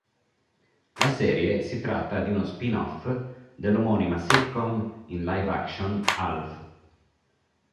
La serie si tratta di uno spin-off dell'omonima sitcom in live-action "Alf".